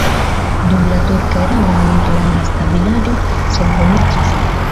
Dum la turka erao nur la lasta vilaĝo senhomiĝis.